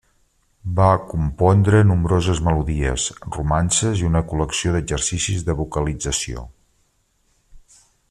Va compondre nombroses melodies, romances i una col·lecció d'exercicis de vocalització.